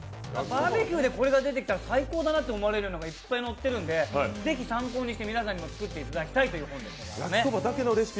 バーベキューでこれが出てきたら最高だなと思えるものが出てくるのでぜひ参考にして皆さんに作っていただきたいと思います。